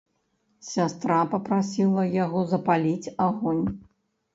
Сястра папрасіла яго запаліць агонь.